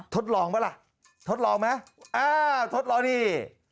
ทดลองไหมล่ะทดลองไหมทดลองนี่